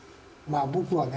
僕はね